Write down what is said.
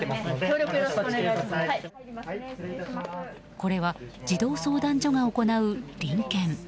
これは、児童相談所が行う臨検。